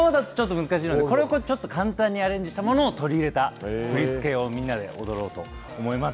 難しいので、これを簡単にしたものを取り入れた振り付けを踊ろうと思います。